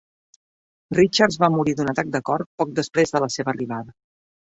Richards va morir d"un atac de cor poc després de la seva arribada.